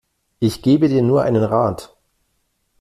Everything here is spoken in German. Ich gebe dir nur einen Rat.